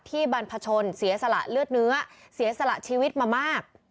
บรรพชนเสียสละเลือดเนื้อเสียสละชีวิตมามาก